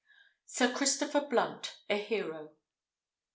SIR CHRISTOPHER BLUNT A HERO.